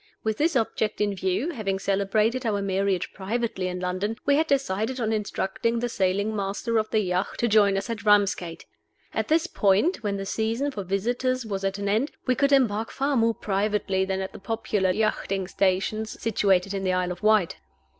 With this object in view, having celebrated our marriage privately in London, we had decided on instructing the sailing master of the yacht to join us at Ramsgate. At this port (when the season for visitors was at an end) we could embark far more privately than at the popular yachting stations situated in the Isle of Wight.